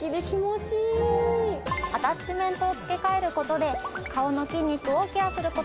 アタッチメントを付け替える事で顔の筋肉をケアする事もできます。